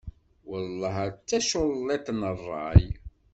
Wellah ar d taculliḍt n ṛṛay!